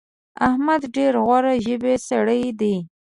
احمد ډېر غوړ ژبی سړی دی.